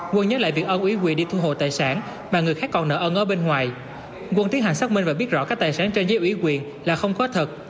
quân nhớ lại việc ân ủy quyền đi thu hồi tài sản mà người khác còn nợ ân ở bên ngoài quân tiến hành xác minh và biết rõ các tài sản trên dưới ủy quyền là không có thật